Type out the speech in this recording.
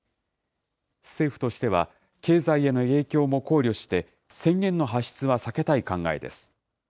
政府としては、経済への影響も考慮して、宣言の発出は避けたい考えです。